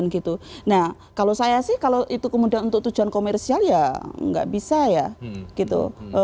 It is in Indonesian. nah kalau saya sih kalau itu kemudian untuk tujuan komersial ya nggak bisa ya gitu